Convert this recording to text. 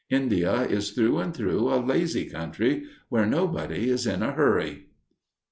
India is through and through a lazy country, where nobody is in a hurry.